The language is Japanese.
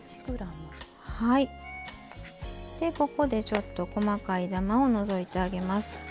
でここでちょっと細かいダマを除いてあげます。